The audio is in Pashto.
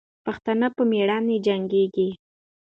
پښتانه په میړانې جنګېږي.